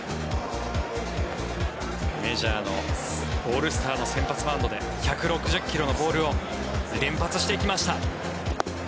メジャーのオールスターの先発マウンドで１６０ｋｍのボールを連発していきました。